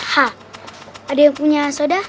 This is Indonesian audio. hah ada yang punya soda